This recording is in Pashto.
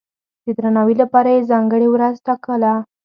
د درناوي لپاره یې ځانګړې ورځ وټاکله.